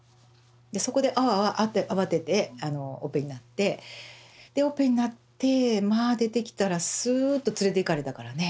そこであわあわ慌ててオペになってでオペになってまあ出てきたらすうっと連れていかれたからね。